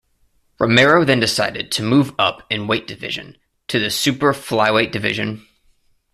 Romero then decided to move up in weight division, to the Super Flyweight division.